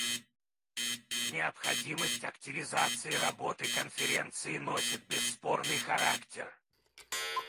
Необходимость активизации работы Конференции носит бесспорный характер.